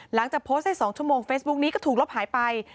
หลังจากโพสต์ให้๒ชั่วโมงเฟซบุ๊กนี้ก็ถูกลบหายไป